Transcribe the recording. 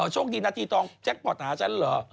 โชคดีนะที่ต้องแจ็คปอดหาฉันเหรอ